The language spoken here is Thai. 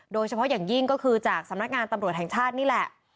โดยเฉพาะอย่างยิ่งก็คือจากสำนักงานตำรวจแห่งชาตินี่แหละ